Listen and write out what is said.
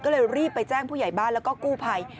ก็เลยรีบไปแจ้งผู้ใหญ่บ้านแล้วก็กู้ภัย